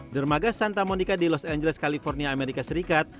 dermaga santa monica di los angeles california amerika serikat